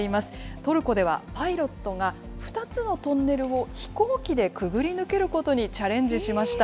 トルコでは、パイロットが２つのトンネルを飛行機でくぐり抜けることにチャレンジしました。